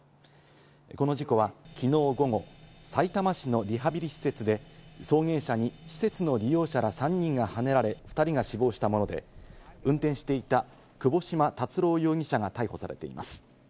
この事故はきのう午後、さいたま市のリハビリ施設で送迎車に施設の利用者ら３人がはねられ、２人が死亡したもので、運転していた、窪島達郎容疑者が逮捕されています。